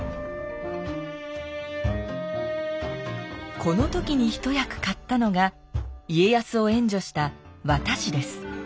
この時に一役買ったのが家康を援助した和田氏です。